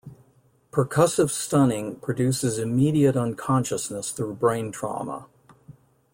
Percussive stunning produces immediate unconsciousness through brain trauma.